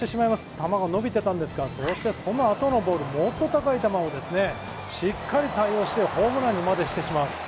球が伸びてたんですが、そのあとのボール、もっと高い球をしっかり対応してホームランにしてしまう。